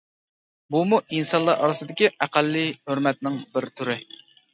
بۇمۇ ئىنسانلار ئارىسىدىكى ئەقەللىي ھۆرمەتنىڭ بىر تۈرى.